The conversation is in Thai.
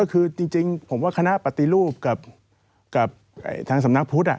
คือจริงผมว่าคณะปฏิรูปกับทางสำนักพุทธ